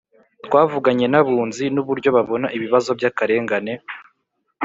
Twavuganye n’Abunzi n’uburyo babona ibibazo by’akarengane